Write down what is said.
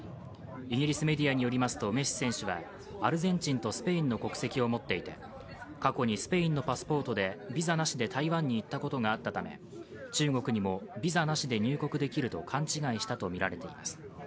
イギリスメディアによりますと、メッシ選手は、アルゼンチンとスペインの国籍を持っていて、過去にスペインのパスポートでビザなしで台湾に行ったことがあったため中国にもビザなしで入国できると勘違いしたとみられています。